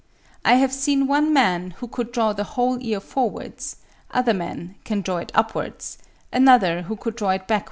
I have seen one man who could draw the whole ear forwards; other men can draw it upwards; another who could draw it backwards (28.